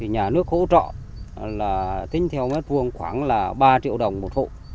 nhà nước hỗ trợ là tính theo mét vuông khoảng ba triệu đồng một hộ